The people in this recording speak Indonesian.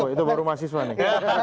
itu baru mahasiswa nih